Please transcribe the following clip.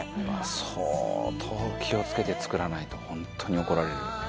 相当気をつけて作らないと本当に怒られるよ。